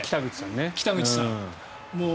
北口さんね。